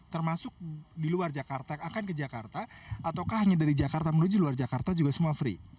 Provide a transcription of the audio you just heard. termasuk di luar jakarta akan ke jakarta ataukah hanya dari jakarta menuju luar jakarta juga semua free